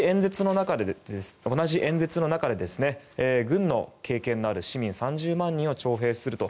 同じ演説の中で軍の経験のある市民３０万人を徴兵すると。